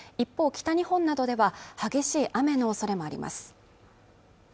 北日本などでは激しい雨の恐れもあります